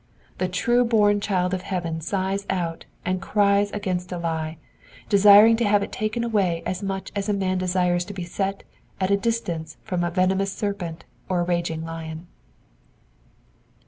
The true born child of heaven sighs out and cries against a lie, desiring to have it taken away as much as a man desires to be set at a distance from a venomous serpent or a raging lion.